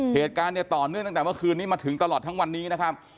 เหตุการณ์เนี่ยต่อเนื่องตั้งแต่เมื่อคืนนี้มาถึงตลอดทั้งวันนี้นะครับ